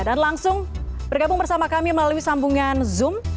dan langsung bergabung bersama kami melalui sambungan zoom